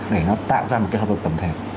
để nó tạo ra một cái hợp lực tầm thèm